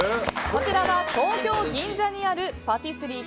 こちらは東京・銀座にあるパティスリー